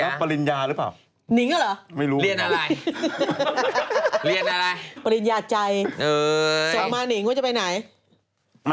แล้วปริญญาหรือเปล่าไม่รู้เรียนอะไรปริญญาใจส่งมาหนิงว่าจะไปไหน